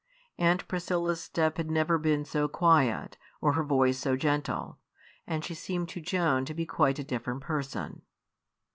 Aunt Priscilla's step had never been so quiet, or her voice so gentle; and she seemed to Joan to be quite a different person.